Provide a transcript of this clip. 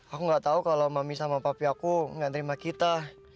aku gak tau kalo mami sama papi aku gak terima kita